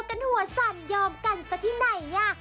โห่ยกกันหัวสันยอมกันซะที่ไหนน่ะ